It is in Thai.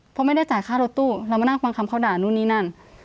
เพราะไม่ได้จ่ายค่ารถตู้เรามานั่งฟังคำเขาด่านู่นนี่นั่น